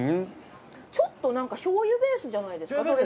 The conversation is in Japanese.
ちょっとなんか醤油ベースじゃないですか？